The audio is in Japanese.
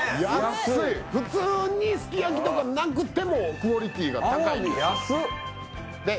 普通にすき焼きとかなくてもクオリティーが高いんですで